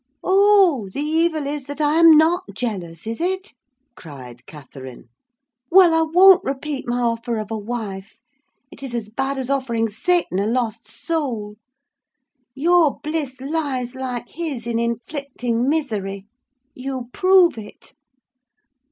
"Oh, the evil is that I am not jealous, is it?" cried Catherine. "Well, I won't repeat my offer of a wife: it is as bad as offering Satan a lost soul. Your bliss lies, like his, in inflicting misery. You prove it.